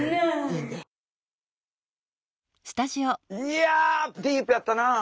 いやディープやったなあ。